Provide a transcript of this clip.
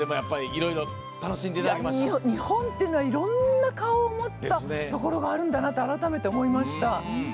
いろいろ日本っていうのはいろんな顔を持ったところがあるんだなと改めて思いました。